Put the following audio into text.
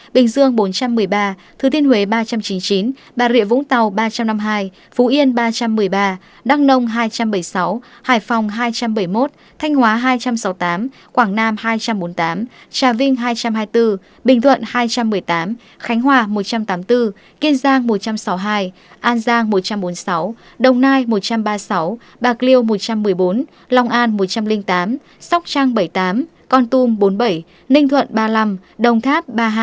bình dương bốn trăm một mươi ba thứ thiên huế ba trăm chín mươi chín bà rịa vũng tàu ba trăm năm mươi hai phú yên ba trăm một mươi ba đăng nông hai trăm bảy mươi sáu hải phòng hai trăm bảy mươi một thanh hóa hai trăm sáu mươi tám quảng nam hai trăm bốn mươi tám trà vinh hai trăm hai mươi bốn bình thuận hai trăm một mươi tám khánh hòa một trăm tám mươi bốn kiên giang một trăm sáu mươi hai an giang một trăm bốn mươi sáu đồng nai một trăm ba mươi sáu bạc liêu một trăm một mươi bốn lòng an một trăm linh tám sóc trang bảy mươi tám con tum bốn mươi bảy ninh thuận ba mươi năm đồng tháp ba mươi hai